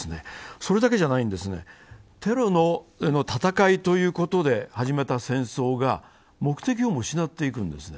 それだけじゃないんですね、テロの戦いということで始めた戦争が目的をも失っていくんですね。